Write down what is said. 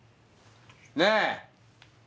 ねえ！